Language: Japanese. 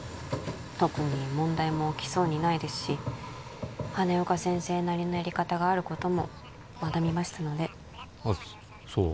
特に問題も起きそうにないですし羽根岡先生なりのやり方があることも学びましたのであっそう？